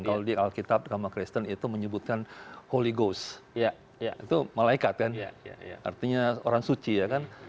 kalau di alkitab sama kristen itu menyebutkan holigos itu malaikat kan artinya orang suci ya kan